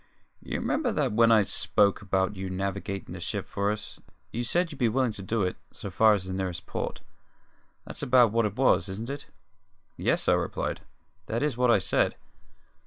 You remember that when I spoke about you navigatin' the ship for us, you said you'd be willin' to do it so far as the nearest port. That's about what it was, isn't it?" "Yes," I replied. "That is what I said."